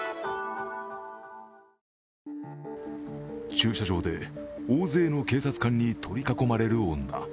駐車場で大勢の警察官に取り囲まれる女。